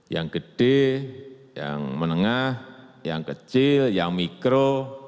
yang gede yang menengah yang kecil yang mikro